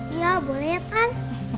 iya boleh ya kan